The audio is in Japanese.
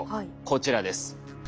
こちらです。